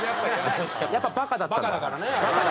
やっぱバカだったんだ。